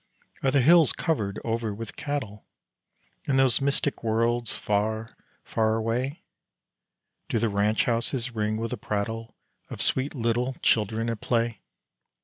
Are the hills covered over with cattle In those mystic worlds far, far away? Do the ranch houses ring with the prattle Of sweet little children at play?